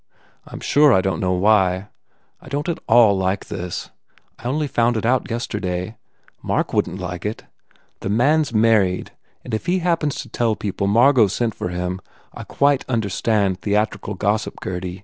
I m sure I don t know why. I don t at all like this. I only found it out yesterday. 207 THE FAIR REWARDS Mark wouldn t like it. The man s married and if he happens to tell people Margot sent for him I quite understand theatrical gossip, Gurdy.